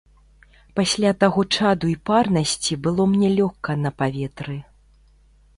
Пасля таго чаду і парнасці было мне лёгка на паветры.